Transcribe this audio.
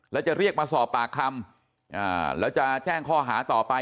แล้วจะเรียกมาสอบปากคำแล้วจะแจ้งข้อหาต่อไป